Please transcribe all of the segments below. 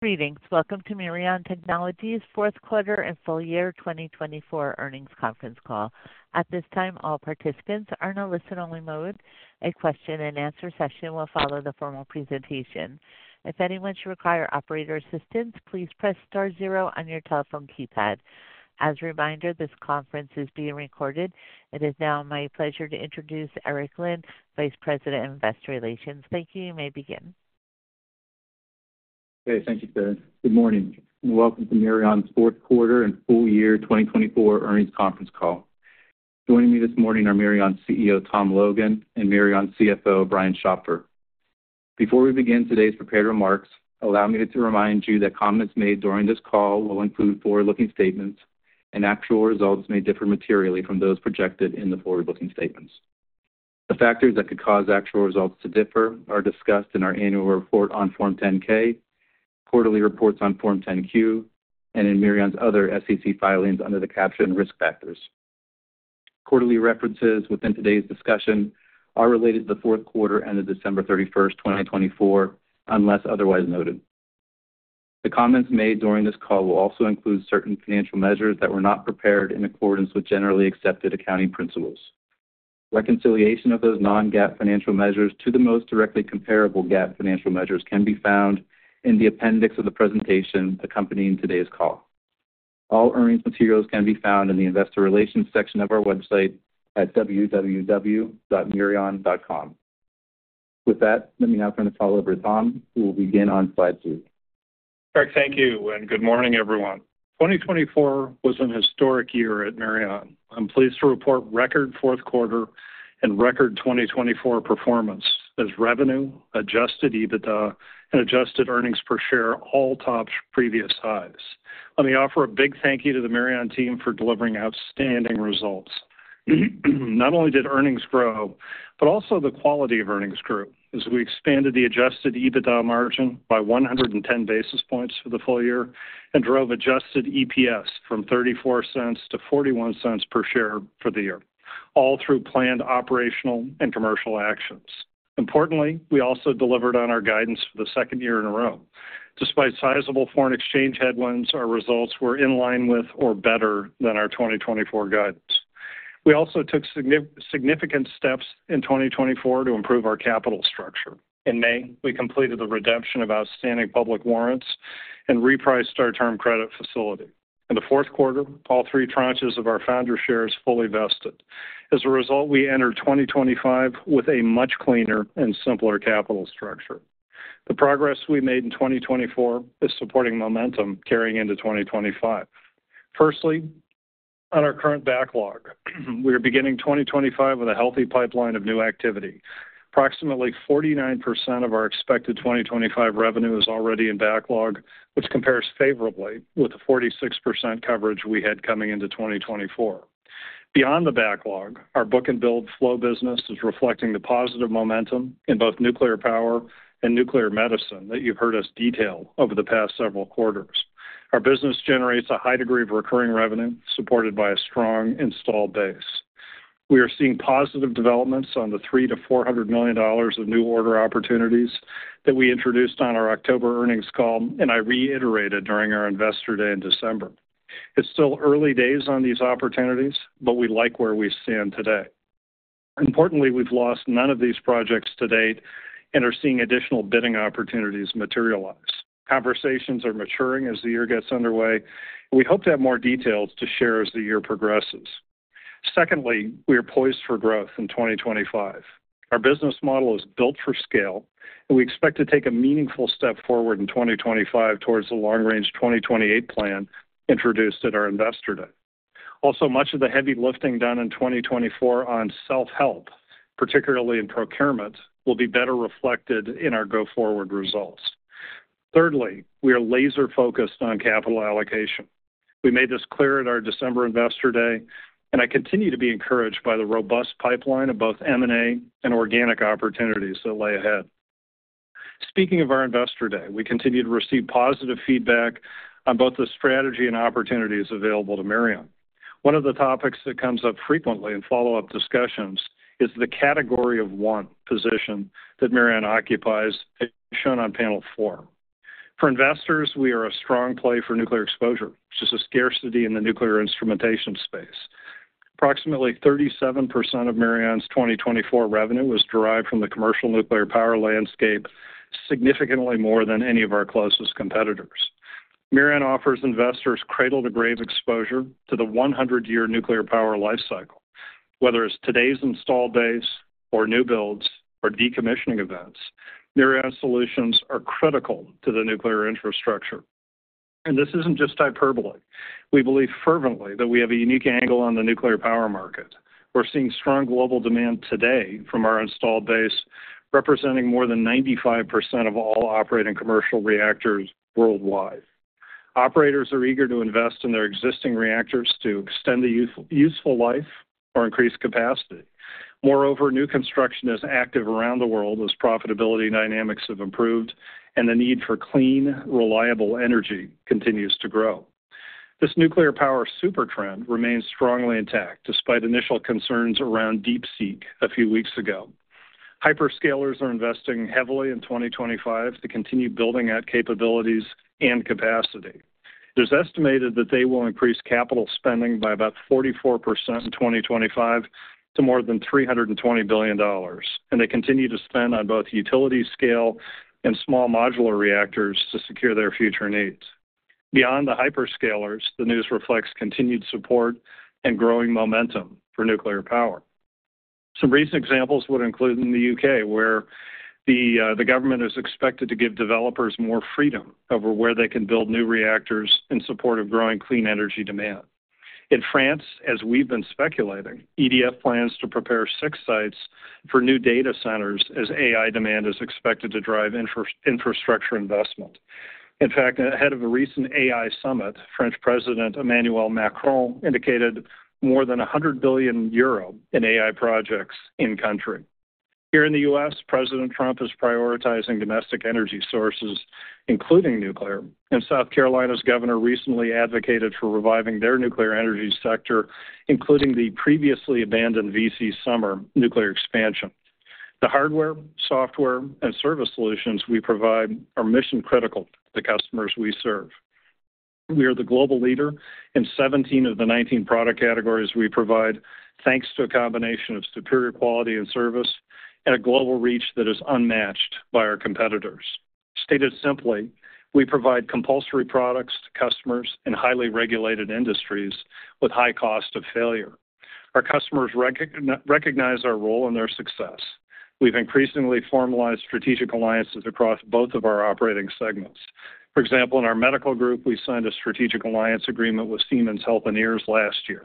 Greetings. Welcome to Mirion Technologies' Fourth Quarter and Full Year 2024 Earnings Conference Call. At this time, all participants are in a listen-only mode. A question-and-answer session will follow the formal presentation. If anyone should require operator assistance, please press star zero on your telephone keypad. As a reminder, this conference is being recorded. It is now my pleasure to introduce Eric Linn, Vice President of Investor Relations. Thank you, you may begin. Okay, thank you, Stephanie. Good morning and welcome to Mirion's Fourth Quarter and Full Year 2024 Earnings Conference Call. Joining me this morning are Mirion's CEO, Tom Logan, and Mirion's CFO, Brian Schopfer. Before we begin today's prepared remarks, allow me to remind you that comments made during this call will include forward-looking statements, and actual results may differ materially from those projected in the forward-looking statements. The factors that could cause actual results to differ are discussed in our annual report on Form 10-K, quarterly reports on Form 10-Q, and in Mirion's other SEC filings under the captioned Risk Factors. Quarterly references within today's discussion are related to the fourth quarter end of December 31st, 2024, unless otherwise noted. The comments made during this call will also include certain financial measures that were not prepared in accordance with generally accepted accounting principles. Reconciliation of those non-GAAP financial measures to the most directly comparable GAAP financial measures can be found in the appendix of the presentation accompanying today's call. All earnings materials can be found in the Investor Relations section of our website at www.mirion.com. With that, let me now turn the call over to Tom, who will begin on slide two. Eric, thank you and good morning, everyone. 2024 was a historic year at Mirion. I'm pleased to report record fourth quarter and record 2024 performance as revenue, adjusted EBITDA, and adjusted earnings per share all topped previous highs. Let me offer a big thank you to the Mirion team for delivering outstanding results. Not only did earnings grow, but also the quality of earnings grew as we expanded the adjusted EBITDA margin by 110 basis points for the full year and drove adjusted EPS from $0.34-$0.41 per share for the year, all through planned operational and commercial actions. Importantly, we also delivered on our guidance for the second year in a row. Despite sizable foreign exchange headwinds, our results were in line with or better than our 2024 guidance. We also took significant steps in 2024 to improve our capital structure. In May, we completed the redemption of outstanding public warrants and repriced our term credit facility. In the fourth quarter, all three tranches of our Founder Shares fully vested. As a result, we entered 2025 with a much cleaner and simpler capital structure. The progress we made in 2024 is supporting momentum carrying into 2025. Firstly, on our current backlog, we are beginning 2025 with a healthy pipeline of new activity. Approximately 49% of our expected 2025 revenue is already in backlog, which compares favorably with the 46% coverage we had coming into 2024. Beyond the backlog, our book-and-bill flow business is reflecting the positive momentum in both nuclear power and nuclear medicine that you've heard us detail over the past several quarters. Our business generates a high degree of recurring revenue supported by a strong installed base. We are seeing positive developments on the $300-$400 million of new order opportunities that we introduced on our October earnings call, and I reiterated during our Investor Day in December. It's still early days on these opportunities, but we like where we stand today. Importantly, we've lost none of these projects to date and are seeing additional bidding opportunities materialize. Conversations are maturing as the year gets underway, and we hope to have more details to share as the year progresses. Secondly, we are poised for growth in 2025. Our business model is built for scale, and we expect to take a meaningful step forward in 2025 towards the long-range 2028 plan introduced at our Investor Day. Also, much of the heavy lifting done in 2024 on self-help, particularly in procurement, will be better reflected in our go-forward results. Thirdly, we are laser-focused on capital allocation. We made this clear at our December Investor Day, and I continue to be encouraged by the robust pipeline of both M&A and organic opportunities that lay ahead. Speaking of our Investor Day, we continue to receive positive feedback on both the strategy and opportunities available to Mirion. One of the topics that comes up frequently in follow-up discussions is the Category of One position that Mirion occupies, as shown on panel four. For investors, we are a strong play for nuclear exposure, which is a scarcity in the nuclear instrumentation space. Approximately 37% of Mirion's 2024 revenue was derived from the commercial nuclear power landscape, significantly more than any of our closest competitors. Mirion offers investors cradle-to-grave exposure to the 100-year nuclear power lifecycle. Whether it's today's installed base or new builds or decommissioning events, Mirion's solutions are critical to the nuclear infrastructure. And this isn't just hyperbole. We believe fervently that we have a unique angle on the nuclear power market. We're seeing strong global demand today from our installed base, representing more than 95% of all operating commercial reactors worldwide. Operators are eager to invest in their existing reactors to extend the useful life or increase capacity. Moreover, new construction is active around the world as profitability dynamics have improved and the need for clean, reliable energy continues to grow. This nuclear power supertrend remains strongly intact despite initial concerns around DeepSeek a few weeks ago. Hyperscalers are investing heavily in 2025 to continue building out capabilities and capacity. It is estimated that they will increase capital spending by about 44% in 2025 to more than $320 billion, and they continue to spend on both utility-scale and small modular reactors to secure their future needs. Beyond the hyperscalers, the news reflects continued support and growing momentum for nuclear power. Some recent examples would include in the U.K., where the government is expected to give developers more freedom over where they can build new reactors in support of growing clean energy demand. In France, as we've been speculating, EDF plans to prepare six sites for new data centers as AI demand is expected to drive infrastructure investment. In fact, ahead of a recent AI summit, French President Emmanuel Macron indicated more than 100 billion euro in AI projects in-country. Here in the U.S., President Trump is prioritizing domestic energy sources, including nuclear. And South Carolina's governor recently advocated for reviving their nuclear energy sector, including the previously abandoned V.C. Summer nuclear expansion. The hardware, software, and service solutions we provide are mission-critical to the customers we serve. We are the global leader in 17 of the 19 product categories we provide, thanks to a combination of superior quality and service and a global reach that is unmatched by our competitors. Stated simply, we provide compulsory products to customers in highly regulated industries with high cost of failure. Our customers recognize our role in their success. We've increasingly formalized strategic alliances across both of our operating segments. For example, in our Medical group, we signed a strategic alliance agreement with Siemens Healthineers last year.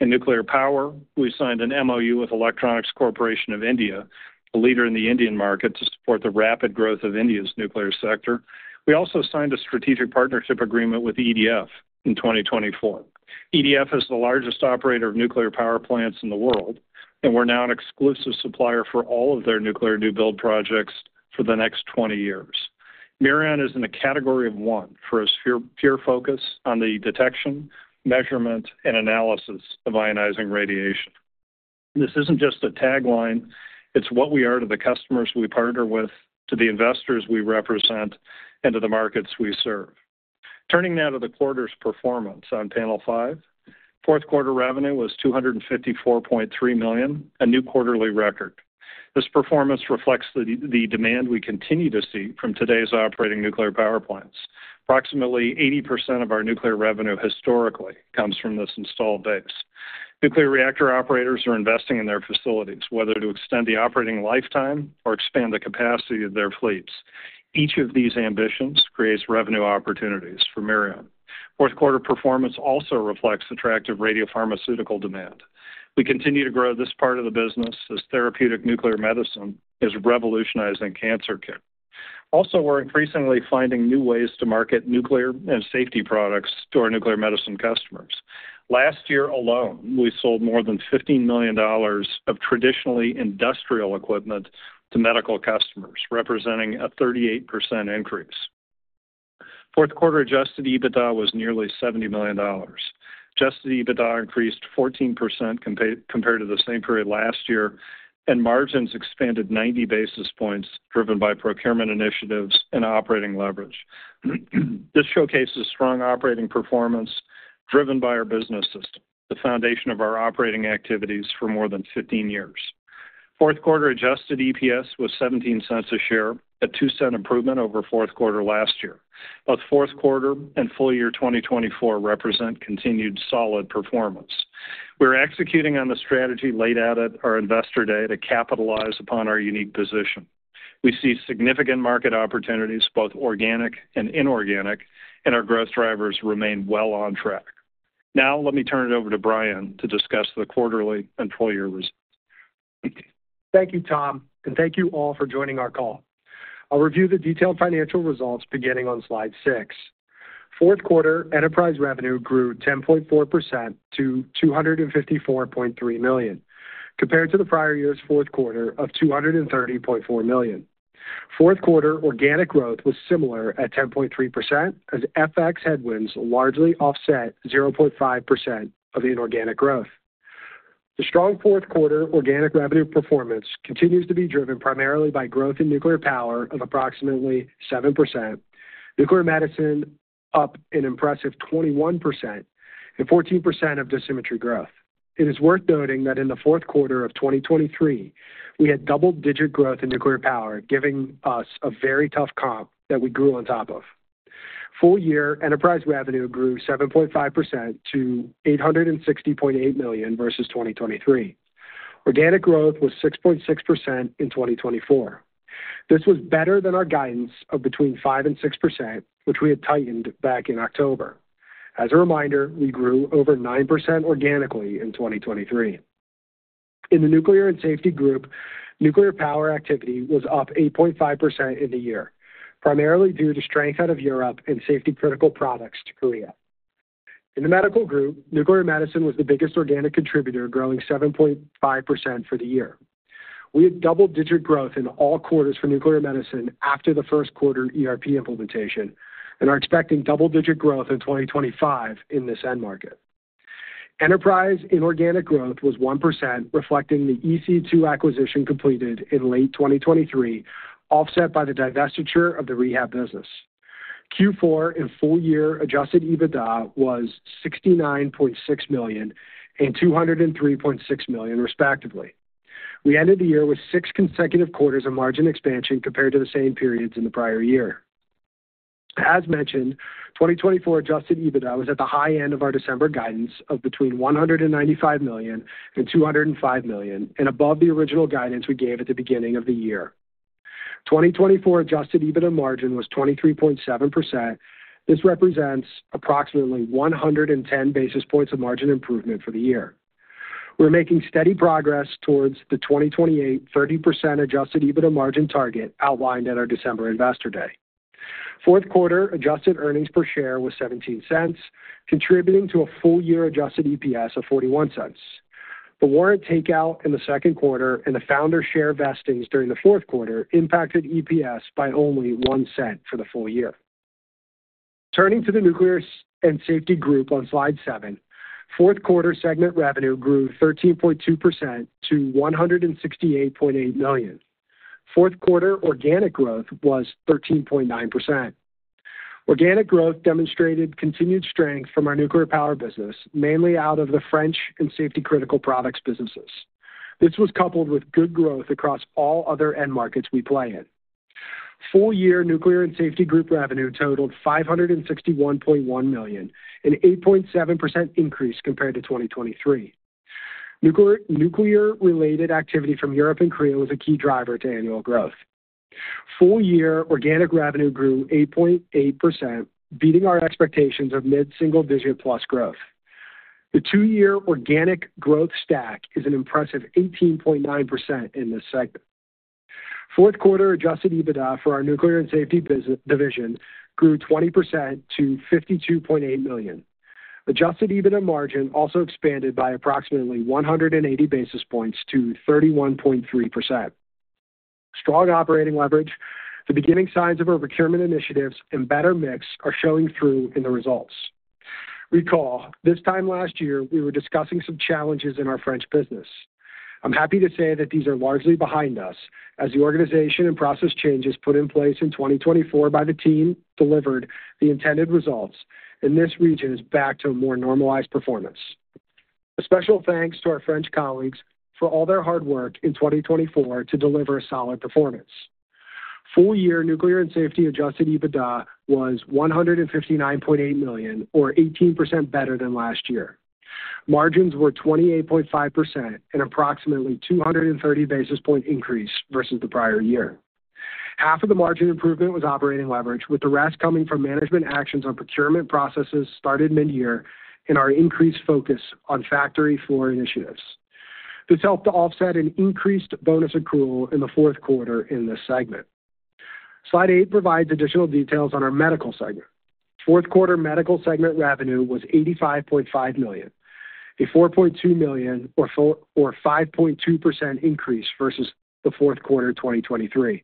In nuclear power, we signed an MOU with Electronics Corporation of India, a leader in the Indian market to support the rapid growth of India's nuclear sector. We also signed a strategic partnership agreement with EDF in 2024. France is the largest operator of nuclear power plants in the world, and we're now an exclusive supplier for all of their nuclear new build projects for the next 20 years. Mirion is in the Category of One for its pure focus on the detection, measurement, and analysis of ionizing radiation. This isn't just a tagline. It's what we are to the customers we partner with, to the investors we represent, and to the markets we serve. Turning now to the quarter's performance on panel five, fourth quarter revenue was $254.3 million, a new quarterly record. This performance reflects the demand we continue to see from today's operating nuclear power plants. Approximately 80% of our nuclear revenue historically comes from this installed base. Nuclear reactor operators are investing in their facilities, whether to extend the operating lifetime or expand the capacity of their fleets. Each of these ambitions creates revenue opportunities for Mirion. Fourth quarter performance also reflects attractive radiopharmaceutical demand. We continue to grow this part of the business as therapeutic nuclear medicine is revolutionizing cancer care. Also, we're increasingly finding new ways to market Nuclear and Safety products to our nuclear medicine customers. Last year alone, we sold more than $15 million of traditionally industrial equipment to Medical customers, representing a 38% increase. Fourth quarter adjusted EBITDA was nearly $70 million. Adjusted EBITDA increased 14% compared to the same period last year, and margins expanded 90 basis points driven by procurement initiatives and operating leverage. This showcases strong operating performance driven by our business system, the foundation of our operating activities for more than 15 years. Fourth quarter adjusted EPS was $0.17 a share, a $0.02 improvement over fourth quarter last year. Both fourth quarter and full year 2024 represent continued solid performance. We're executing on the strategy laid out at our Investor Day to capitalize upon our unique position. We see significant market opportunities, both organic and inorganic, and our growth drivers remain well on track. Now, let me turn it over to Brian to discuss the quarterly and full year results. Thank you, Tom, and thank you all for joining our call. I'll review the detailed financial results beginning on slide six. Fourth quarter enterprise revenue grew 10.4%-$254.3 million, compared to the prior year's fourth quarter of $230.4 million. Fourth quarter organic growth was similar at 10.3%, as FX headwinds largely offset 0.5% of inorganic growth. The strong fourth quarter organic revenue performance continues to be driven primarily by growth in nuclear power of approximately 7%, nuclear medicine up an impressive 21%, and 14% of dosimetry growth. It is worth noting that in the fourth quarter of 2023, we had double-digit growth in nuclear power, giving us a very tough comp that we grew on top of. Full year enterprise revenue grew 7.5% to $860.8 million versus 2023. Organic growth was 6.6% in 2024. This was better than our guidance of between 5% and 6%, which we had tightened back in October. As a reminder, we grew over 9% organically in 2023. In the Nuclear and Safety group, nuclear power activity was up 8.5% in the year, primarily due to strength out of Europe and safety-critical products to Korea. In the Medical group, nuclear medicine was the biggest organic contributor, growing 7.5% for the year. We had double-digit growth in all quarters for nuclear medicine after the first quarter ERP implementation and are expecting double-digit growth in 2025 in this end market. Enterprise inorganic growth was 1%, reflecting the EC2 acquisition completed in late 2023, offset by the divestiture of the rehab business. Q4 and full year adjusted EBITDA was $69.6 million and $203.6 million, respectively. We ended the year with six consecutive quarters of margin expansion compared to the same periods in the prior year. As mentioned, 2024 adjusted EBITDA was at the high end of our December guidance of between $195 million and $205 million, and above the original guidance we gave at the beginning of the year. 2024 adjusted EBITDA margin was 23.7%. This represents approximately 110 basis points of margin improvement for the year. We're making steady progress towards the 2028 30% adjusted EBITDA margin target outlined at our December Investor Day. Fourth quarter adjusted earnings per share was $0.17, contributing to a full year adjusted EPS of $0.41. The warrant takeout in the second quarter and the founder share vestings during the fourth quarter impacted EPS by only $0.01 for the full year. Turning to the Nuclear and Safety group on slide seven, fourth quarter segment revenue grew 13.2% to $168.8 million. Fourth quarter organic growth was 13.9%. Organic growth demonstrated continued strength from our nuclear power business, mainly out of the French and safety-critical products businesses. This was coupled with good growth across all other end markets we play in. Full year Nuclear and Safety group revenue totaled $561.1 million, an 8.7% increase compared to 2023. Nuclear-related activity from Europe and Korea was a key driver to annual growth. Full year organic revenue grew 8.8%, beating our expectations of mid-single digit plus growth. The two-year organic growth stack is an impressive 18.9% in this segment. Fourth quarter adjusted EBITDA for our Nuclear and Safety division grew 20% to $52.8 million. Adjusted EBITDA margin also expanded by approximately 180 basis points to 31.3%. Strong operating leverage, the beginning signs of our procurement initiatives, and better mix are showing through in the results. Recall, this time last year, we were discussing some challenges in our French business. I'm happy to say that these are largely behind us, as the organization and process changes put in place in 2024 by the team delivered the intended results, and this region is back to a more normalized performance. A special thanks to our French colleagues for all their hard work in 2024 to deliver solid performance. Full year Nuclear and Safety adjusted EBITDA was $159.8 million, or 18% better than last year. Margins were 28.5%, an approximately 230 basis points increase versus the prior year. Half of the margin improvement was operating leverage, with the rest coming from management actions on procurement processes started mid-year and our increased focus on factory floor initiatives. This helped to offset an increased bonus accrual in the fourth quarter in this segment. Slide eight provides additional details on our Medical segment. Fourth quarter Medical segment revenue was $85.5 million, a $4.2 million or 5.2% increase versus the fourth quarter 2023.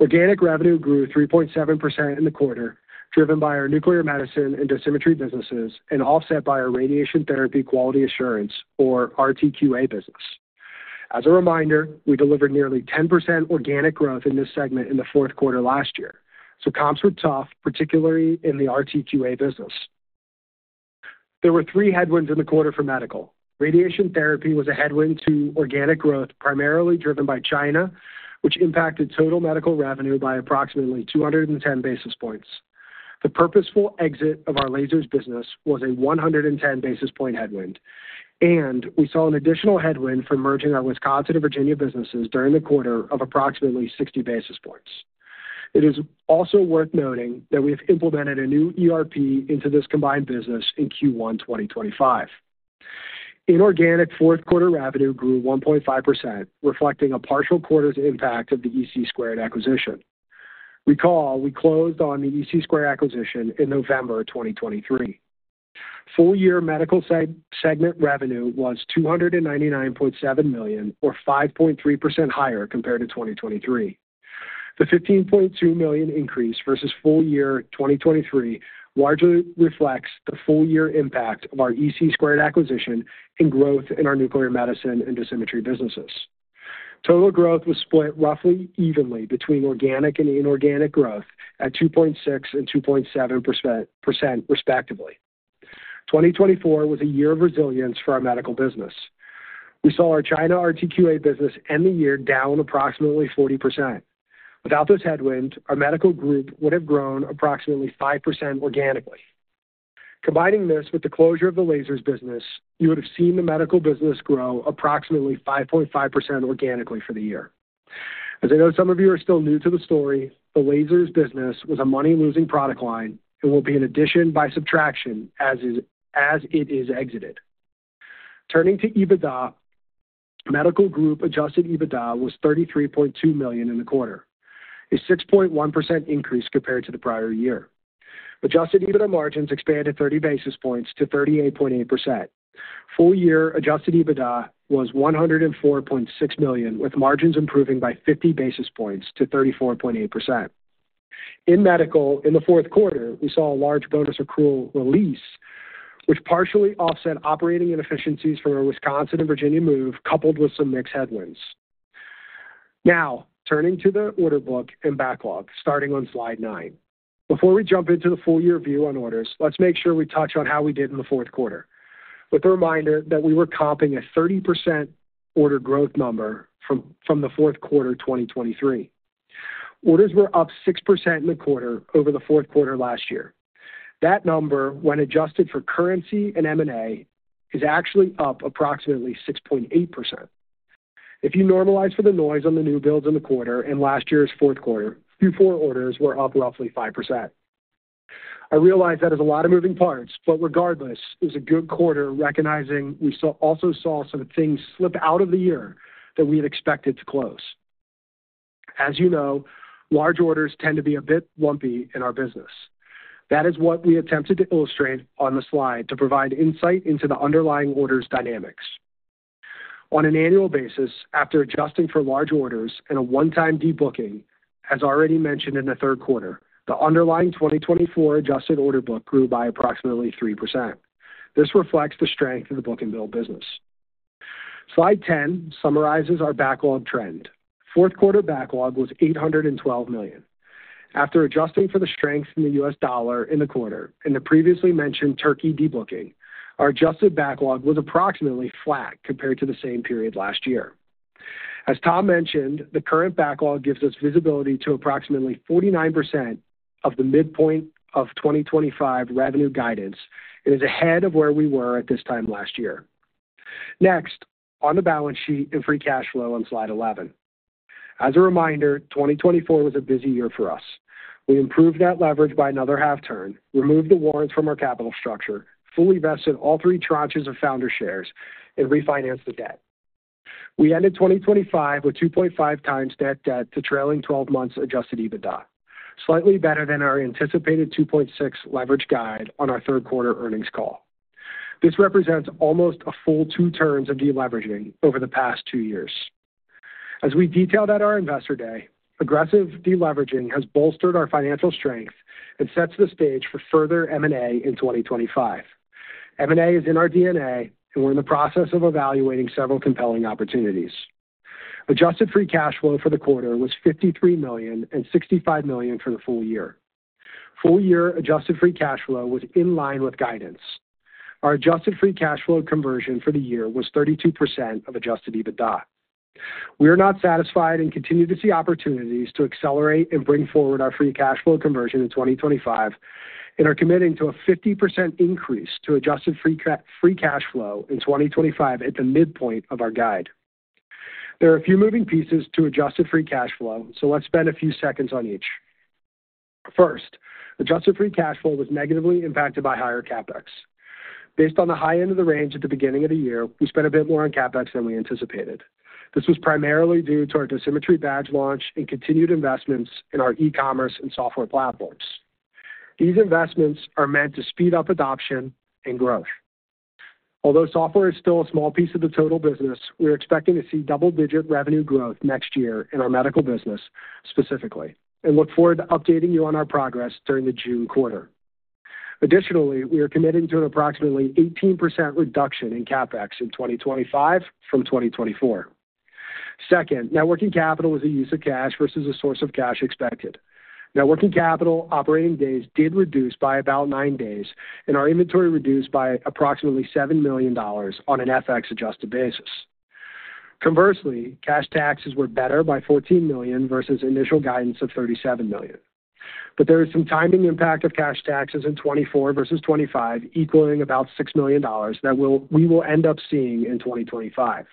Organic revenue grew 3.7% in the quarter, driven by our nuclear medicine and dosimetry businesses and offset by our radiation therapy quality assurance, or RTQA business. As a reminder, we delivered nearly 10% organic growth in this segment in the fourth quarter last year, so comps were tough, particularly in the RTQA business. There were three headwinds in the quarter for Medical. Radiation therapy was a headwind to organic growth, primarily driven by China, which impacted total Medical revenue by approximately 210 basis points. The purposeful exit of our lasers business was a 110 basis points headwind, and we saw an additional headwind from merging our Wisconsin and Virginia businesses during the quarter of approximately 60 basis points. It is also worth noting that we have implemented a new ERP into this combined business in Q1 2025. Inorganic fourth quarter revenue grew 1.5%, reflecting a partial quarter's impact of the EC2 acquisition. Recall, we closed on the EC2 acquisition in November 2023. Full year Medical segment revenue was $299.7 million, or 5.3% higher compared to 2023. The $15.2 million increase versus full year 2023 largely reflects the full year impact of our EC2 acquisition and growth in our nuclear medicine and dosimetry businesses. Total growth was split roughly evenly between organic and inorganic growth at 2.6% and 2.7%, respectively. 2024 was a year of resilience for our Medical business. We saw our China RTQA business end the year down approximately 40%. Without this headwind, our Medical group would have grown approximately 5% organically. Combining this with the closure of the lasers business, you would have seen the Medical business grow approximately 5.5% organically for the year. As I know some of you are still new to the story, the lasers business was a money-losing product line and will be an addition by subtraction as it is exited. Turning to EBITDA, Medical group adjusted EBITDA was $33.2 million in the quarter, a 6.1% increase compared to the prior year. Adjusted EBITDA margins expanded 30 basis points to 38.8%. Full year adjusted EBITDA was $104.6 million, with margins improving by 50 basis points to 34.8%. In Medical, in the fourth quarter, we saw a large bonus accrual release, which partially offset operating inefficiencies from our Wisconsin and Virginia move, coupled with some mixed headwinds. Now, turning to the order book and backlog, starting on slide nine. Before we jump into the full year view on orders, let's make sure we touch on how we did in the fourth quarter, with the reminder that we were comping a 30% order growth number from the fourth quarter 2023. Orders were up 6% in the quarter over the fourth quarter last year. That number, when adjusted for currency and M&A, is actually up approximately 6.8%. If you normalize for the noise on the new builds in the quarter and last year's fourth quarter, Q4 orders were up roughly 5%. I realize that is a lot of moving parts, but regardless, it was a good quarter, recognizing we also saw some things slip out of the year that we had expected to close. As you know, large orders tend to be a bit lumpy in our business. That is what we attempted to illustrate on the slide to provide insight into the underlying orders dynamics. On an annual basis, after adjusting for large orders and a one-time debooking, as already mentioned in the third quarter, the underlying 2024 adjusted order book grew by approximately 3%. This reflects the strength of the book and bill business. Slide 10 summarizes our backlog trend. Fourth quarter backlog was $812 million. After adjusting for the strength in the U.S. dollar in the quarter and the previously mentioned Turkey debooking, our adjusted backlog was approximately flat compared to the same period last year. As Tom mentioned, the current backlog gives us visibility to approximately 49% of the midpoint of 2025 revenue guidance and is ahead of where we were at this time last year. Next, on the balance sheet and free cash flow on slide 11. As a reminder, 2024 was a busy year for us. We improved net leverage by another half turn, removed the warrants from our capital structure, fully vested all three tranches of Founder Shares, and refinanced the debt. We ended 2025 with 2.5 times net debt to trailing 12 months adjusted EBITDA, slightly better than our anticipated 2.6 leverage guide on our third quarter earnings call. This represents almost a full two turns of deleveraging over the past two years. As we detailed at our Investor Day, aggressive deleveraging has bolstered our financial strength and sets the stage for further M&A in 2025. M&A is in our DNA, and we're in the process of evaluating several compelling opportunities. Adjusted free cash flow for the quarter was $53 million and $65 million for the full year. Full year adjusted free cash flow was in line with guidance. Our adjusted free cash flow conversion for the year was 32% of adjusted EBITDA. We are not satisfied and continue to see opportunities to accelerate and bring forward our free cash flow conversion in 2025 and are committing to a 50% increase to adjusted free cash flow in 2025 at the midpoint of our guide. There are a few moving pieces to adjusted free cash flow, so let's spend a few seconds on each. First, adjusted free cash flow was negatively impacted by higher CapEx. Based on the high end of the range at the beginning of the year, we spent a bit more on CapEx than we anticipated. This was primarily due to our dosimetry badge launch and continued investments in our e-commerce and software platforms. These investments are meant to speed up adoption and growth. Although software is still a small piece of the total business, we're expecting to see double-digit revenue growth next year in our Medical business specifically and look forward to updating you on our progress during the June quarter. Additionally, we are committing to an approximately 18% reduction in CapEx in 2025 from 2024. Second, net working capital was a use of cash versus a source of cash expected. Net working capital operating days did reduce by about nine days, and our inventory reduced by approximately $7 million on an FX adjusted basis. Conversely, cash taxes were better by $14 million versus initial guidance of $37 million. But there is some timing impact of cash taxes in 2024 versus 2025, equaling about $6 million that we will end up seeing in 2025.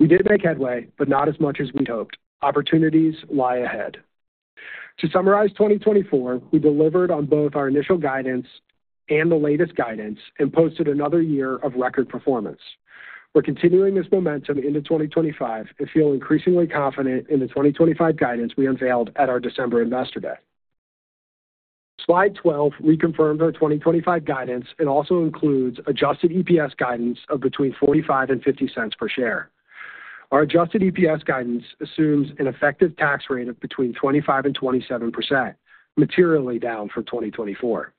We did make headway, but not as much as we'd hoped. Opportunities lie ahead. To summarize 2024, we delivered on both our initial guidance and the latest guidance and posted another year of record performance. We're continuing this momentum into 2025 and feel increasingly confident in the 2025 guidance we unveiled at our December Investor Day. Slide 12 reconfirmed our 2025 guidance and also includes adjusted EPS guidance of between $0.45-$0.50 per share. Our adjusted EPS guidance assumes an effective tax rate of between 25%-27%, materially down from 2024.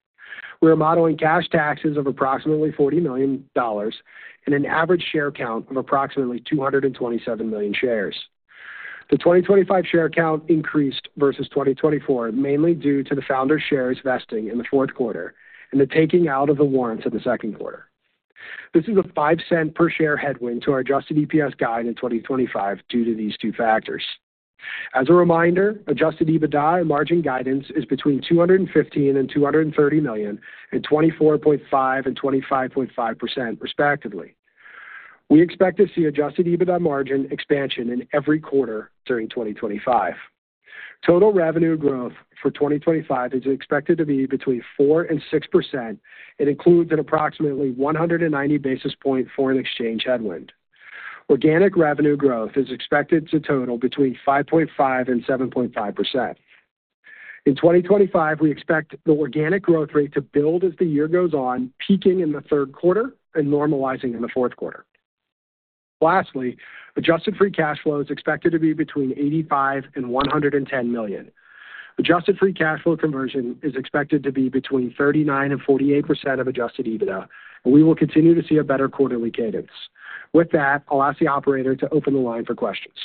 We are modeling cash taxes of approximately $40 million and an average share count of approximately 227 million shares. The 2025 share count increased versus 2024, mainly due to the Founder Shares vesting in the fourth quarter and the taking out of the warrants in the second quarter. This is a $0.05 per share headwind to our adjusted EPS guide in 2025 due to these two factors. As a reminder, adjusted EBITDA and margin guidance is between $215-$230 million and 24.5%-25.5%, respectively. We expect to see adjusted EBITDA margin expansion in every quarter during 2025. Total revenue growth for 2025 is expected to be between 4%-6% and includes an approximately 190 basis points foreign exchange headwind. Organic revenue growth is expected to total between 5.5%-7.5%. In 2025, we expect the organic growth rate to build as the year goes on, peaking in the third quarter and normalizing in the fourth quarter. Lastly, adjusted free cash flow is expected to be between $85-$110 million. Adjusted free cash flow conversion is expected to be between 39%-48% of adjusted EBITDA, and we will continue to see a better quarterly cadence. With that, I'll ask the operator to open the line for questions.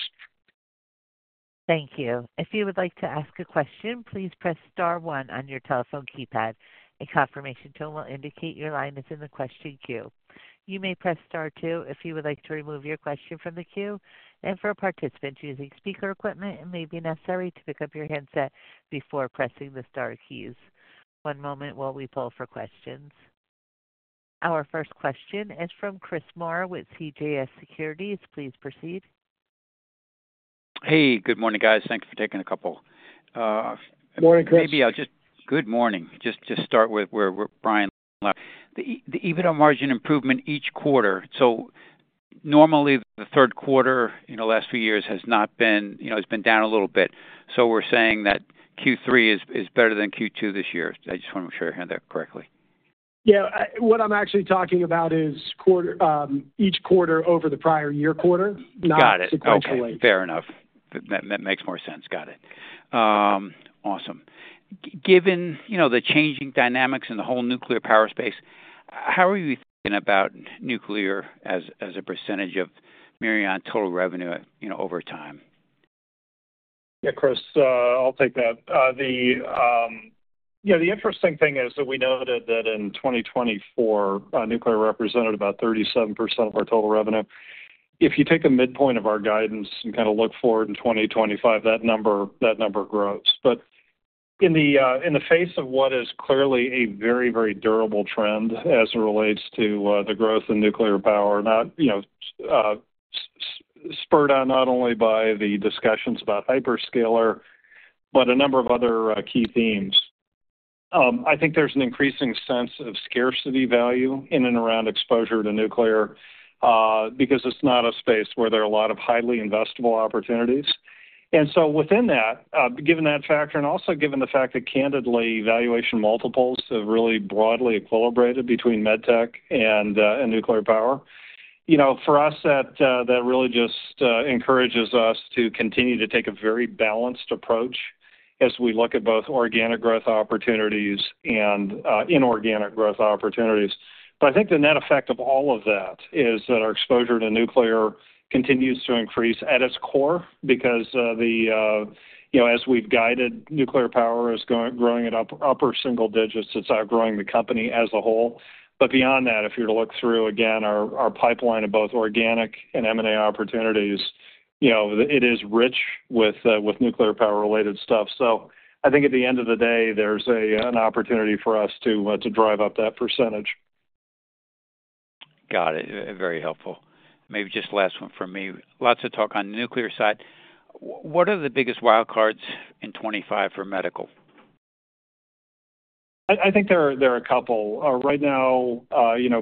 Thank you. If you would like to ask a question, please press star one on your telephone keypad. A confirmation tone will indicate your line is in the question queue. You may press star two if you would like to remove your question from the queue. And for participants using speaker equipment, it may be necessary to pick up your headset before pressing the star keys. One moment while we pull for questions. Our first question is from Chris Moore with CJS Securities. Please proceed. Hey, good morning, guys. Thanks for taking a couple. Good morning, Chris. Maybe I'll just good morning. Just start with where Brian left. The EBITDA margin improvement each quarter. So normally, the third quarter in the last few years has been down a little bit. So we're saying that Q3 is better than Q2 this year. I just want to make sure I heard that correctly. Yeah. What I'm actually talking about is each quarter over the prior year quarter, not sequentially. Got it. Okay. Fair enough. That makes more sense. Got it. Awesome. Given the changing dynamics in the whole nuclear power space, how are you thinking about nuclear as a percentage of Mirion's total revenue over time? Yeah, Chris, I'll take that. The interesting thing is that we noted that in 2024, nuclear represented about 37% of our total revenue. If you take a midpoint of our guidance and kind of look forward in 2025, that number grows. But in the face of what is clearly a very, very durable trend as it relates to the growth in nuclear power, spurred on not only by the discussions about hyperscaler, but a number of other key themes, I think there's an increasing sense of scarcity value in and around exposure to nuclear because it's not a space where there are a lot of highly investable opportunities. And so within that, given that factor, and also given the fact that, candidly, valuation multiples have really broadly equilibrated between MedTech and nuclear power, for us, that really just encourages us to continue to take a very balanced approach as we look at both organic growth opportunities and inorganic growth opportunities. But I think the net effect of all of that is that our exposure to nuclear continues to increase at its core because, as we've guided, nuclear power is growing at upper single digits. It's outgrowing the company as a whole. But beyond that, if you were to look through, again, our pipeline of both organic and M&A opportunities, it is rich with nuclear power-related stuff. So I think at the end of the day, there's an opportunity for us to drive up that percentage. Got it. Very helpful. Maybe just last one from me. Lots of talk on the nuclear side. What are the biggest wild cards in 2025 for Medical? I think there are a couple. Right now,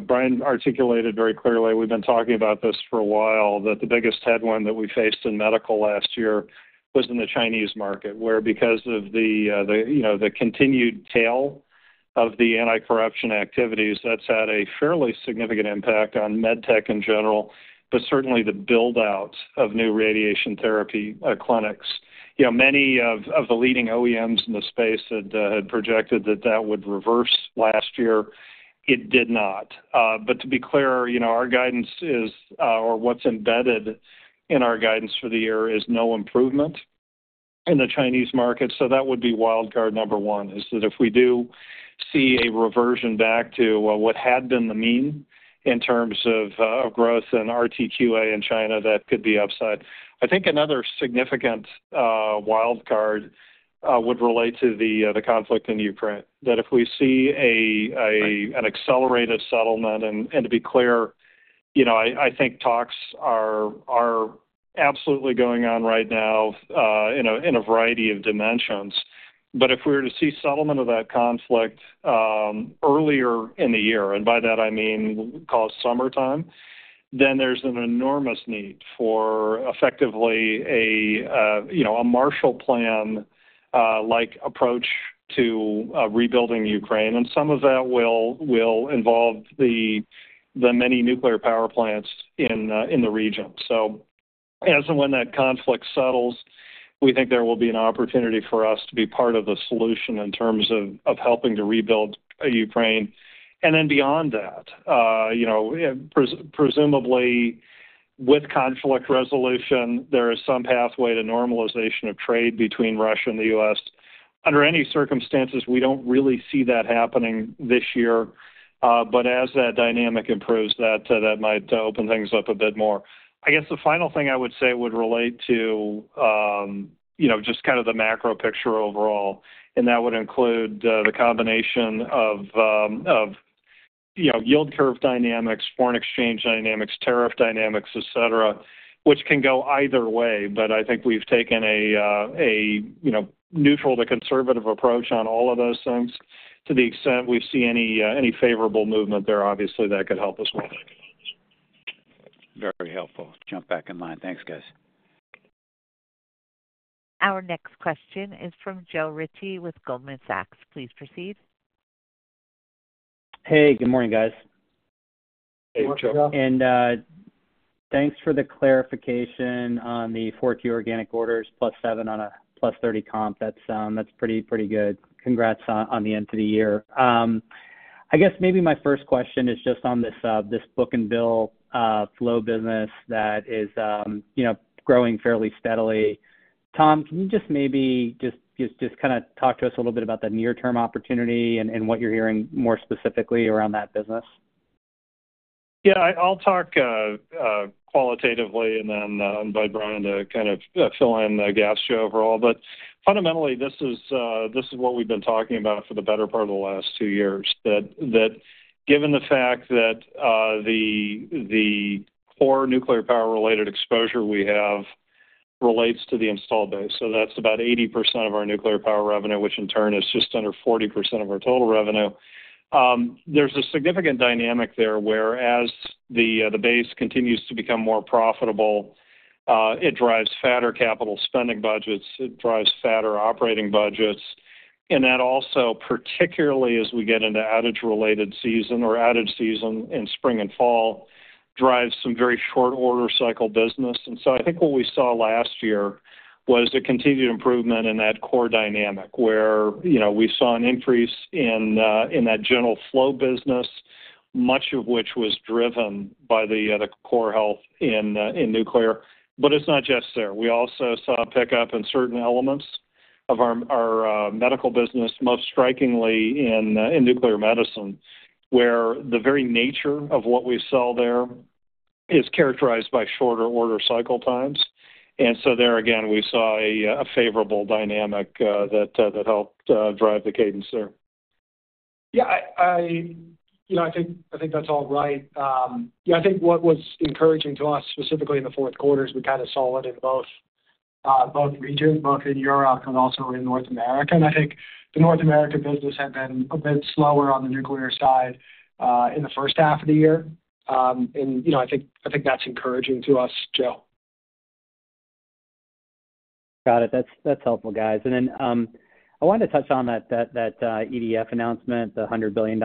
Brian articulated very clearly, we've been talking about this for a while, that the biggest headwind that we faced in Medical last year was in the Chinese market, where, because of the continued tail of the anti-corruption activities, that's had a fairly significant impact on MedTech in general, but certainly the buildout of new radiation therapy clinics. Many of the leading OEMs in the space had projected that that would reverse last year. It did not. But to be clear, our guidance is, or what's embedded in our guidance for the year is no improvement in the Chinese market. So that would be wild card number one, is that if we do see a reversion back to what had been the mean in terms of growth and RTQA in China, that could be upside. I think another significant wild card would relate to the conflict in Ukraine, that if we see an accelerated settlement, and to be clear, I think talks are absolutely going on right now in a variety of dimensions, but if we were to see settlement of that conflict earlier in the year, and by that I mean call it summertime, then there's an enormous need for effectively a Marshall Plan-like approach to rebuilding Ukraine. And some of that will involve the many nuclear power plants in the region. So as and when that conflict settles, we think there will be an opportunity for us to be part of the solution in terms of helping to rebuild Ukraine. And then beyond that, presumably with conflict resolution, there is some pathway to normalization of trade between Russia and the U.S. Under any circumstances, we don't really see that happening this year, but as that dynamic improves, that might open things up a bit more. I guess the final thing I would say would relate to just kind of the macro picture overall, and that would include the combination of yield curve dynamics, foreign exchange dynamics, tariff dynamics, etc., which can go either way. But I think we've taken a neutral to conservative approach on all of those things. To the extent we see any favorable movement there, obviously, that could help us with it. Very helpful. Jump back in line. Thanks, guys. Our next question is from Joe Ritchie with Goldman Sachs. Please proceed. Hey, good morning, guys. Hey, Joe. And thanks for the clarification on the 4Q organic orders, +7% on a +30% comp. That's pretty good. Congrats on the end of the year. I guess maybe my first question is just on this book and bill flow business that is growing fairly steadily. Tom, can you just maybe just kind of talk to us a little bit about the near-term opportunity and what you're hearing more specifically around that business? Yeah. I'll talk qualitatively and then invite Brian to kind of fill in the gaps here overall. But fundamentally, this is what we've been talking about for the better part of the last two years, that given the fact that the core nuclear power-related exposure we have relates to the installed base. So that's about 80% of our nuclear power revenue, which in turn is just under 40% of our total revenue. There's a significant dynamic there where, as the base continues to become more profitable, it drives fatter capital spending budgets. It drives fatter operating budgets, and that also, particularly as we get into outage season in spring and fall, drives some very short order cycle business, and so I think what we saw last year was a continued improvement in that core dynamic where we saw an increase in that general flow business, much of which was driven by the core health in nuclear, but it's not just there. We also saw a pickup in certain elements of our Medical business, most strikingly in nuclear medicine, where the very nature of what we sell there is characterized by shorter order cycle times, and so there, again, we saw a favorable dynamic that helped drive the cadence there. Yeah. I think that's all right. Yeah. I think what was encouraging to us specifically in the fourth quarter is we kind of saw it in both regions, both in Europe and also in North America. And I think the North American business had been a bit slower on the nuclear side in the first half of the year. And I think that's encouraging to us, Joe. Got it. That's helpful, guys. And then I wanted to touch on that EDF announcement, the $100 billion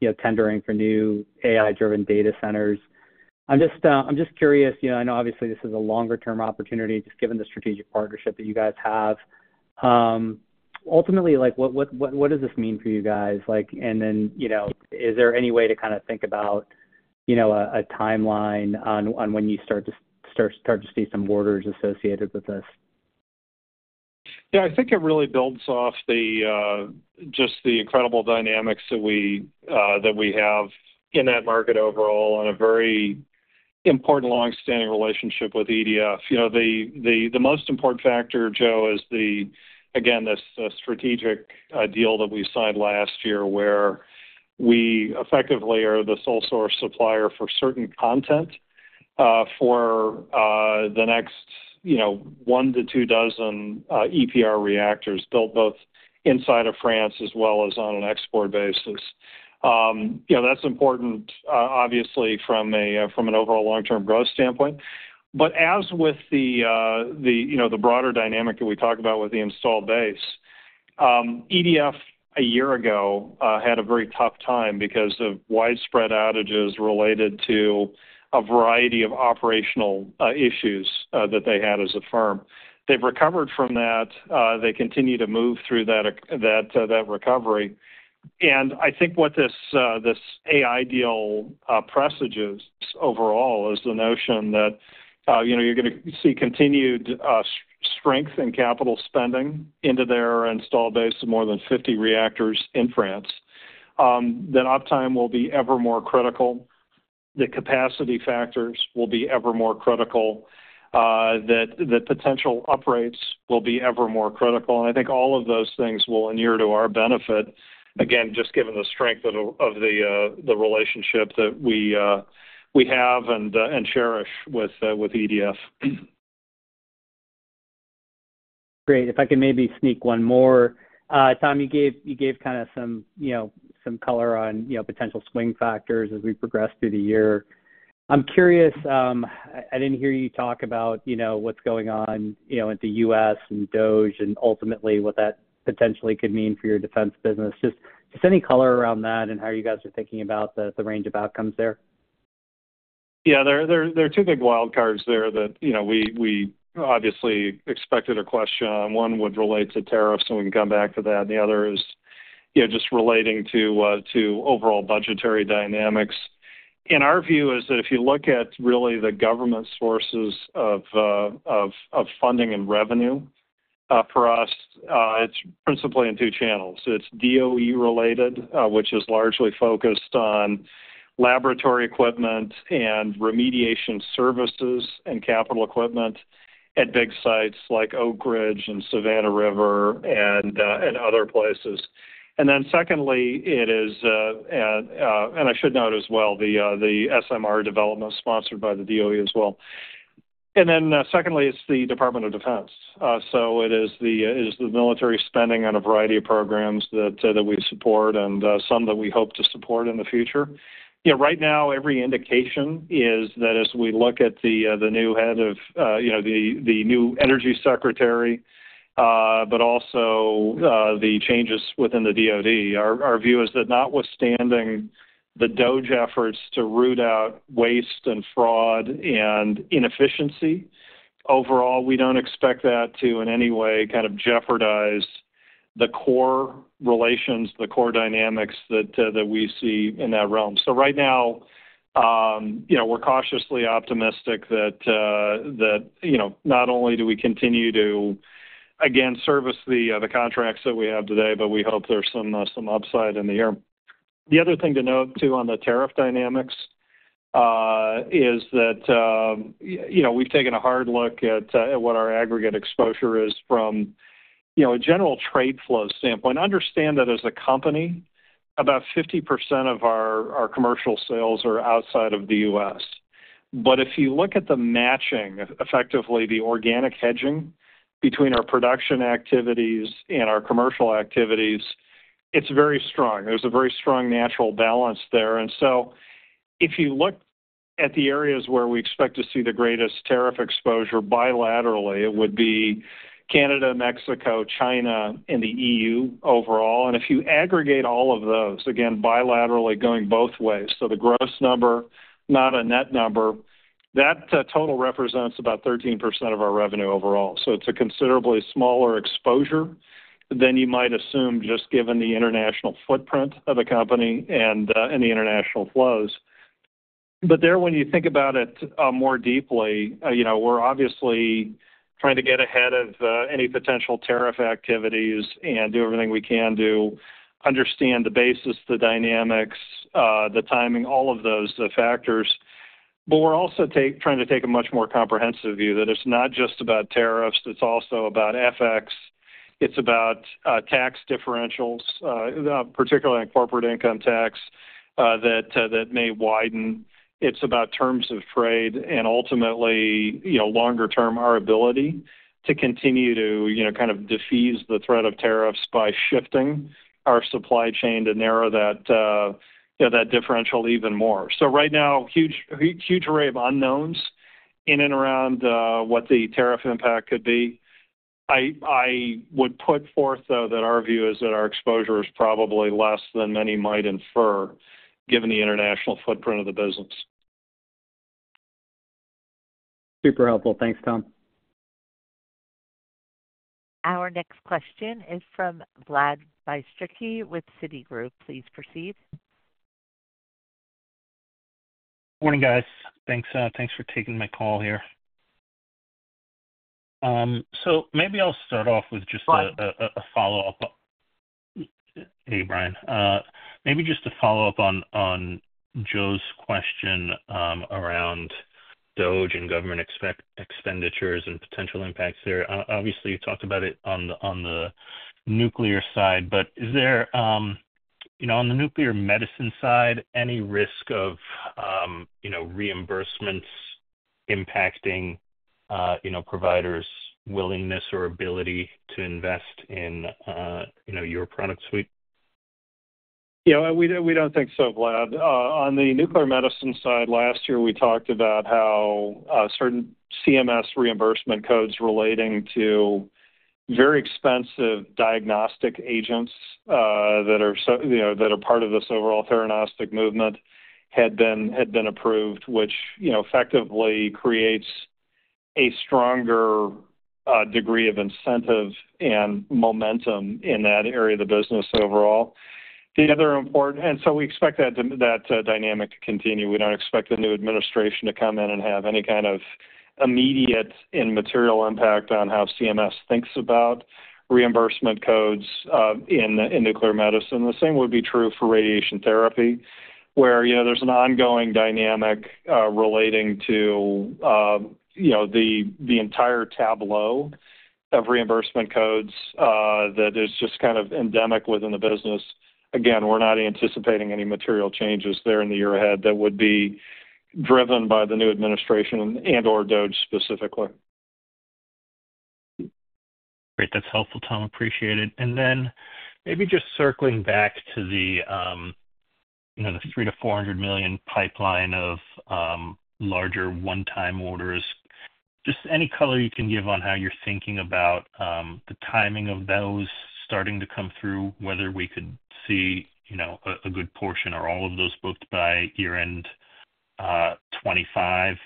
in tendering for new AI-driven data centers. I'm just curious. I know, obviously, this is a longer-term opportunity, just given the strategic partnership that you guys have. Ultimately, what does this mean for you guys? And then is there any way to kind of think about a timeline on when you start to see some orders associated with this? Yeah. I think it really builds off just the incredible dynamics that we have in that market overall and a very important long-standing relationship with EDF. The most important factor, Joe, is, again, this strategic deal that we signed last year where we effectively are the sole source supplier for certain content for the next one to two dozen EPR reactors built both inside of France as well as on an export basis. That's important, obviously, from an overall long-term growth standpoint. But as with the broader dynamic that we talk about with the installed base, EDF a year ago had a very tough time because of widespread outages related to a variety of operational issues that they had as a firm. They've recovered from that. They continue to move through that recovery. And I think what this AI deal presages overall is the notion that you're going to see continued strength in capital spending into their installed base of more than 50 reactors in France, that uptime will be ever more critical, the capacity factors will be ever more critical, that potential uprates will be ever more critical. And I think all of those things will inure to our benefit, again, just given the strength of the relationship that we have and cherish with EDF. Great. If I can maybe sneak one more. Tom, you gave kind of some color on potential swing factors as we progress through the year. I'm curious. I didn't hear you talk about what's going on with the U.S. and DOGE and ultimately what that potentially could mean for your defense business. Just any color around that and how you guys are thinking about the range of outcomes there? Yeah. There are two big wild cards there that we obviously expected a question on. One would relate to tariffs, and we can come back to that. And the other is just relating to overall budgetary dynamics. And our view is that if you look at really the government sources of funding and revenue for us, it's principally in two channels. It's DOE-related, which is largely focused on laboratory equipment and remediation services and capital equipment at big sites like Oak Ridge and Savannah River and other places. And then secondly, it is—and I should note as well—the SMR development sponsored by the DOE as well. And then secondly, it's the Department of Defense. So it is the military spending on a variety of programs that we support and some that we hope to support in the future. Right now, every indication is that as we look at the new head, the new energy secretary, but also the changes within the DOD, our view is that notwithstanding the DOGE efforts to root out waste and fraud and inefficiency, overall, we don't expect that to in any way kind of jeopardize the core relations, the core dynamics that we see in that realm. So right now, we're cautiously optimistic that not only do we continue to, again, service the contracts that we have today, but we hope there's some upside in the year. The other thing to note, too, on the tariff dynamics is that we've taken a hard look at what our aggregate exposure is from a general trade flow standpoint. Understand that as a company, about 50% of our commercial sales are outside of the U.S. But if you look at the matching, effectively the organic hedging between our production activities and our commercial activities, it's very strong. There's a very strong natural balance there. And so if you look at the areas where we expect to see the greatest tariff exposure bilaterally, it would be Canada, Mexico, China, and the EU overall. And if you aggregate all of those, again, bilaterally going both ways, so the gross number, not a net number, that total represents about 13% of our revenue overall. So it's a considerably smaller exposure than you might assume just given the international footprint of the company and the international flows. But there, when you think about it more deeply, we're obviously trying to get ahead of any potential tariff activities and do everything we can to understand the basis, the dynamics, the timing, all of those factors. But we're also trying to take a much more comprehensive view that it's not just about tariffs. It's also about FX. It's about tax differentials, particularly on corporate income tax that may widen. It's about terms of trade and ultimately longer-term our ability to continue to kind of defuse the threat of tariffs by shifting our supply chain to narrow that differential even more. So right now, huge array of unknowns in and around what the tariff impact could be. I would put forth, though, that our view is that our exposure is probably less than many might infer, given the international footprint of the business. Super helpful. Thanks, Tom. Our next question is from Vlad Bystricky with Citigroup. Please proceed. Morning, guys. Thanks for taking my call here. So maybe I'll start off with just a follow-up, hey, Brian. Maybe just a follow-up on Joe's question around DOGE and government expenditures and potential impacts there. Obviously, you talked about it on the nuclear side, but is there on the nuclear medicine side, any risk of reimbursements impacting providers' willingness or ability to invest in your product suite? Yeah. We don't think so, Vlad. On the nuclear medicine side, last year, we talked about how certain CMS reimbursement codes relating to very expensive diagnostic agents that are part of this overall theranostics movement had been approved, which effectively creates a stronger degree of incentive and momentum in that area of the business overall. And so we expect that dynamic to continue. We don't expect the new administration to come in and have any kind of immediate and material impact on how CMS thinks about reimbursement codes in nuclear medicine. The same would be true for radiation therapy, where there's an ongoing dynamic relating to the entire tableau of reimbursement codes that is just kind of endemic within the business. Again, we're not anticipating any material changes there in the year ahead that would be driven by the new administration and/or DOGE specifically. Great. That's helpful, Tom. Appreciate it. And then maybe just circling back to the $300 million-$400 million pipeline of larger one-time orders, just any color you can give on how you're thinking about the timing of those starting to come through, whether we could see a good portion or all of those booked by year-end 2025,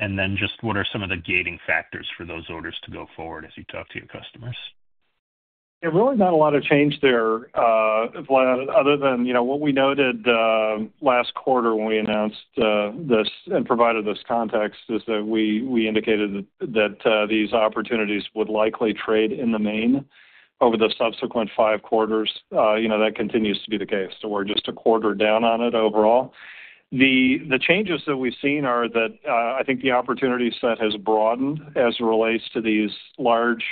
and then just what are some of the gating factors for those orders to go forward as you talk to your customers? Yeah. Really not a lot of change there, Vlad, other than what we noted last quarter when we announced this and provided this context is that we indicated that these opportunities would likely trade in the main over the subsequent five quarters. That continues to be the case. So we're just a quarter down on it overall. The changes that we've seen are that I think the opportunity set has broadened as it relates to these large,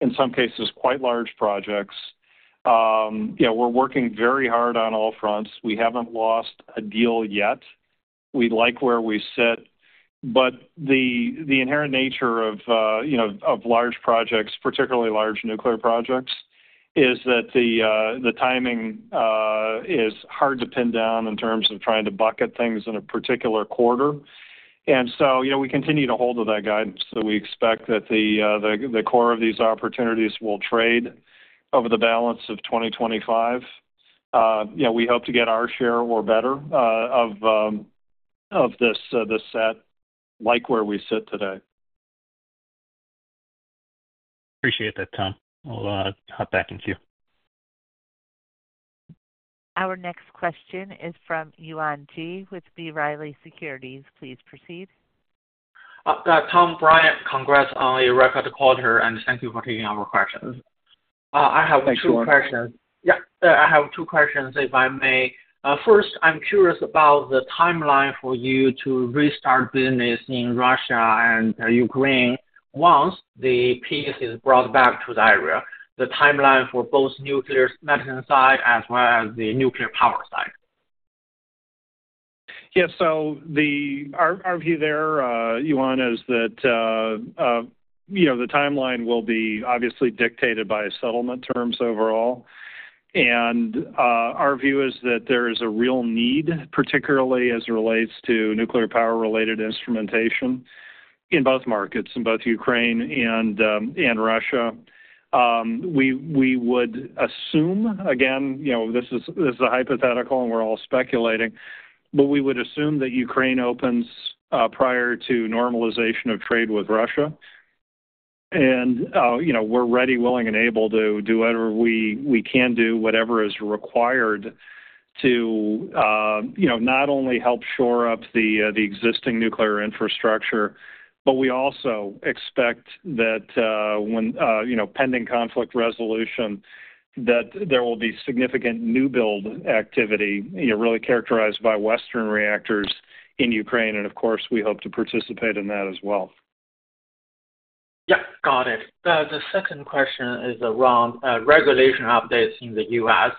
in some cases, quite large projects. We're working very hard on all fronts. We haven't lost a deal yet. We like where we sit. But the inherent nature of large projects, particularly large nuclear projects, is that the timing is hard to pin down in terms of trying to bucket things in a particular quarter. And so we continue to hold to that guidance. So we expect that the core of these opportunities will play out over the balance of 2025. We hope to get our share or better of this set given where we sit today. Appreciate that, Tom. I'll hand it back to you. Our next question is from Yuan Zhi with B. Riley Securities. Please proceed. Tom, Brian, congrats on a recorded call here, and thank you for taking our questions. I have two questions, if I may. First, I'm curious about the timeline for you to restart business in Russia and Ukraine once the peace is brought back to the area, the timeline for both nuclear medicine side as well as the nuclear power side. So our view there, Yuan, is that the timeline will be obviously dictated by settlement terms overall and our view is that there is a real need, particularly as it relates to nuclear power-related instrumentation in both markets, in both Ukraine and Russia. We would assume, again, this is a hypothetical, and we're all speculating, but we would assume that Ukraine opens prior to normalization of trade with Russia. And we're ready, willing, and able to do whatever we can do, whatever is required to not only help shore up the existing nuclear infrastructure, but we also expect that when pending conflict resolution, that there will be significant new build activity really characterized by Western reactors in Ukraine. And of course, we hope to participate in that as well. Yeah. Got it. The second question is around regulation updates in the U.S.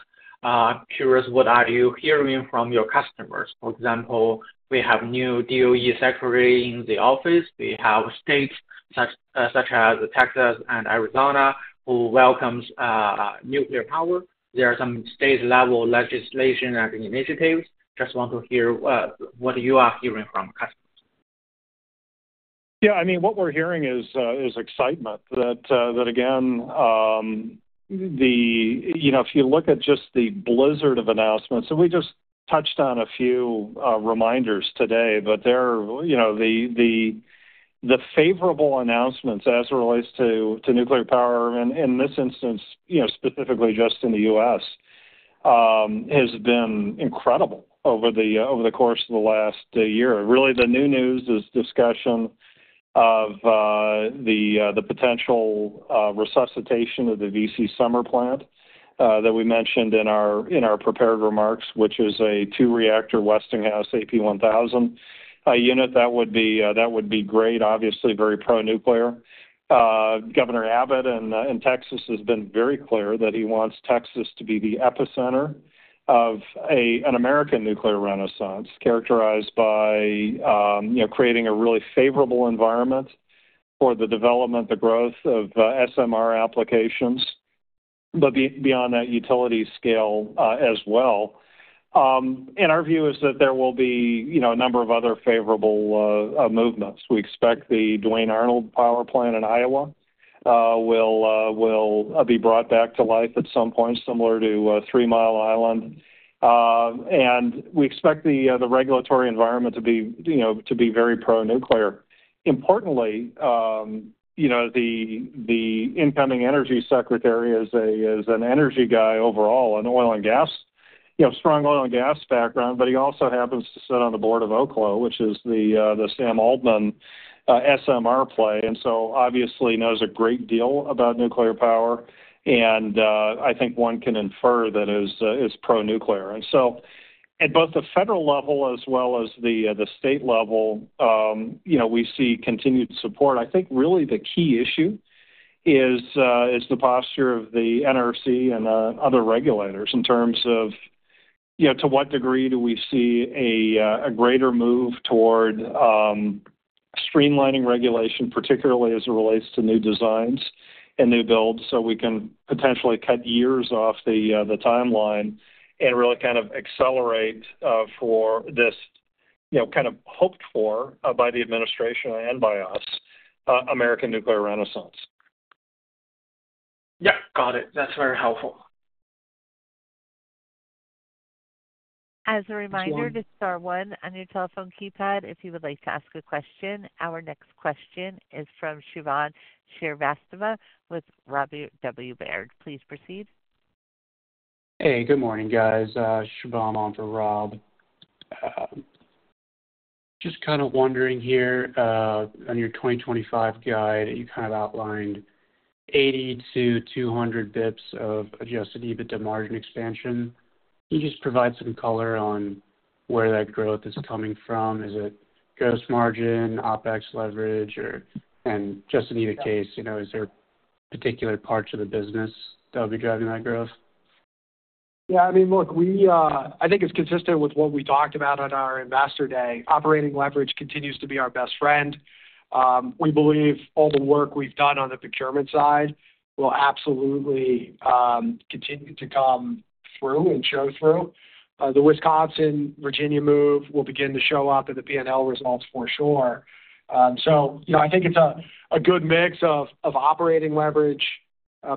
I'm curious, what are you hearing from your customers? For example, we have new DOE secretary in the office. We have states such as Texas and Arizona who welcome nuclear power. There are some state-level legislation and initiatives. Just want to hear what you are hearing from customers. Yeah. I mean, what we're hearing is excitement that, again, if you look at just the blizzard of announcements, and we just touched on a few reminders today, but the favorable announcements as it relates to nuclear power, in this instance, specifically just in the U.S., has been incredible over the course of the last year. Really, the new news is discussion of the potential resuscitation of the V.C. Summer Plant that we mentioned in our prepared remarks, which is a two-reactor Westinghouse AP1000 unit. That would be great, obviously, very pro-nuclear. Governor Abbott in Texas has been very clear that he wants Texas to be the epicenter of an American nuclear renaissance characterized by creating a really favorable environment for the development, the growth of SMR applications, but beyond that utility scale as well. And our view is that there will be a number of other favorable movements. We expect the Duane Arnold Power Plant in Iowa will be brought back to life at some point, similar to Three Mile Island. And we expect the regulatory environment to be very pro-nuclear. Importantly, the incoming energy secretary is an energy guy overall, a strong oil and gas background, but he also happens to sit on the board of Oklo, which is the Sam Altman SMR play. And so obviously knows a great deal about nuclear power. And I think one can infer that it's pro-nuclear. And so at both the federal level as well as the state level, we see continued support. I think really the key issue is the posture of the NRC and other regulators in terms of to what degree do we see a greater move toward streamlining regulation, particularly as it relates to new designs and new builds so we can potentially cut years off the timeline and really kind of accelerate for this kind of hoped for by the administration and by us, American nuclear renaissance. Yeah. Got it. That's very helpful. As a reminder, this is star one on your telephone keypad if you would like to ask a question. Our next question is from Shubham Srivastava with Robert W. Baird. Please proceed. Hey, good morning, guys. Shubham for Rob. Just kind of wondering here on your 2025 guide that you kind of outlined 80-200 basis points of adjusted EBITDA margin expansion. Can you just provide some color on where that growth is coming from? Is it gross margin, OpEx leverage, or is it just in the case, is there particular parts of the business that will be driving that growth? Yeah. I mean, look, I think it's consistent with what we talked about on our Investor Day. Operating leverage continues to be our best friend. We believe all the work we've done on the procurement side will absolutely continue to come through and show through. The Wisconsin-Virginia move will begin to show up in the P&L results for sure. So I think it's a good mix of operating leverage,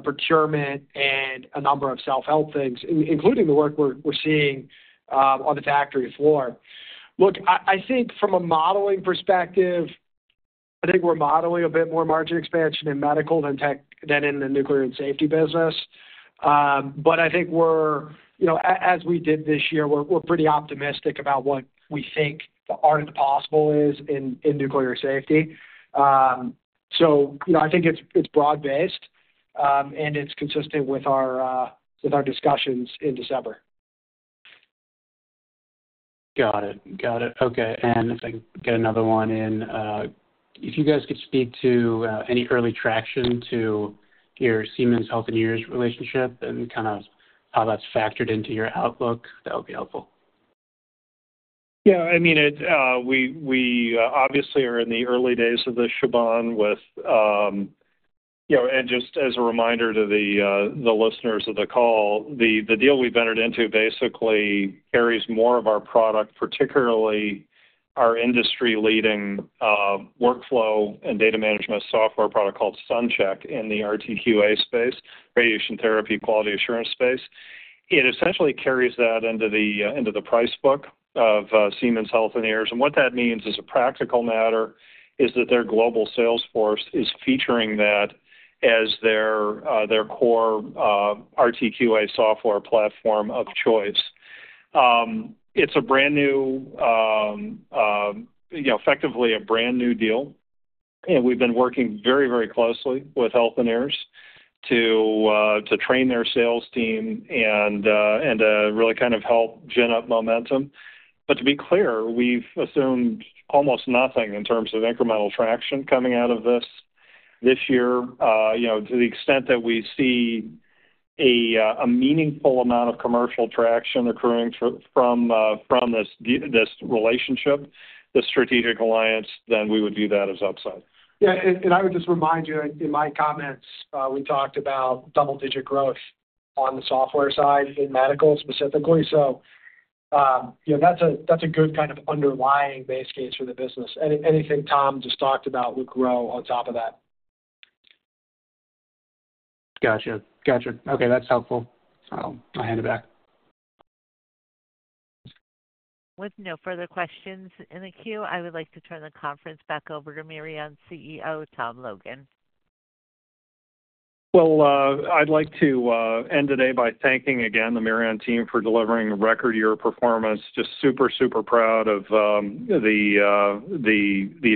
procurement, and a number of self-help things, including the work we're seeing on the factory floor. Look, I think from a modeling perspective, I think we're modeling a bit more margin expansion in Medical than in the nuclear and safety business. But I think we're, as we did this year, we're pretty optimistic about what we think the art of the possible is in nuclear safety. So I think it's broad-based, and it's consistent with our discussions in December. Got it. Got it. Okay. And I think we'll get another one in. If you guys could speak to any early traction to your Siemens Healthineers relationship and kind of how that's factored into your outlook, that would be helpful. Yeah. I mean, we obviously are in the early days of the strategic alliance with, and just as a reminder to the listeners of the call, the deal we've entered into basically carries more of our product, particularly our industry-leading workflow and data management software product called SunCHECK in the RTQA space, radiation therapy quality assurance space. It essentially carries that into the price book of Siemens Healthineers. And what that means as a practical matter is that their global sales force is featuring that as their core RTQA software platform of choice. It's effectively a brand new deal. And we've been working very, very closely with Healthineers to train their sales team and to really kind of help gin up momentum. But to be clear, we've assumed almost nothing in terms of incremental traction coming out of this year. To the extent that we see a meaningful amount of commercial traction occurring from this relationship, the strategic alliance, then we would view that as upside. Yeah. And I would just remind you, in my comments, we talked about double-digit growth on the software side in Medical specifically. So that's a good kind of underlying base case for the business. Anything Tom just talked about would grow on top of that. Gotcha. Gotcha. Okay. That's helpful. I'll hand it back. With no further questions in the queue, I would like to turn the conference back over to Mirion CEO, Tom Logan. I'd like to end today by thanking again the Mirion team for delivering record year performance. Just super, super proud of the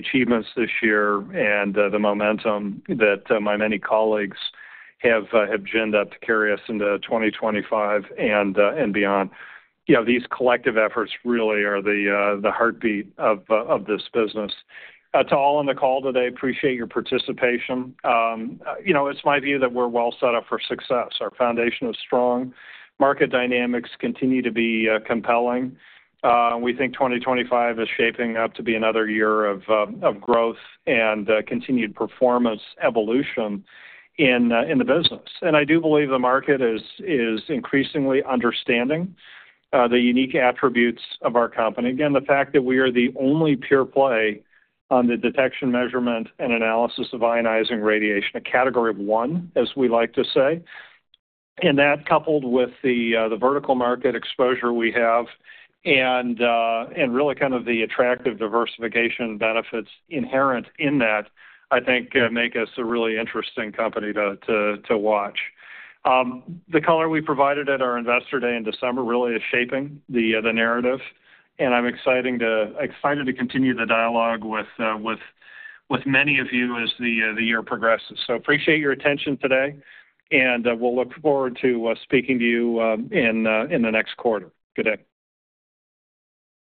achievements this year and the momentum that my many colleagues have ginned up to carry us into 2025 and beyond. These collective efforts really are the heartbeat of this business. To all on the call today, appreciate your participation. It's my view that we're well set up for success. Our foundation is strong. Market dynamics continue to be compelling. We think 2025 is shaping up to be another year of growth and continued performance evolution in the business. I do believe the market is increasingly understanding the unique attributes of our company. Again, the fact that we are the only pure play on the detection measurement and analysis of ionizing radiation, a Category of One, as we like to say, and that coupled with the vertical market exposure we have and really kind of the attractive diversification benefits inherent in that, I think make us a really interesting company to watch. The color we provided at our Investor Day in December really is shaping the narrative, and I'm excited to continue the dialogue with many of you as the year progresses. So, appreciate your attention today, and we'll look forward to speaking to you in the next quarter. Good day.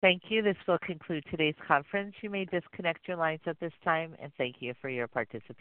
Thank you. This will conclude today's conference. You may disconnect your lines at this time, and thank you for your participation.